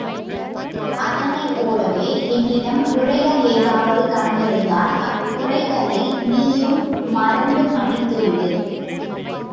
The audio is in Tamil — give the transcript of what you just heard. அதனைப் போலவே என்னிடம் குறைகள் ஏதாவது கண்டிருந்தால் அக்குறைகளை நீயும் மறந்து மன்னித்துவிடு.